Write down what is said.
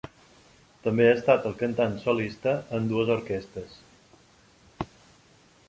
També ha estat el cantant solista en dues orquestres.